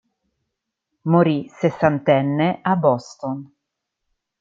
Morì sessantenne a Boston.